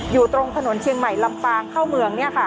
อยู่ตรงถนนเชียงใหม่ลำปางเข้าเมือง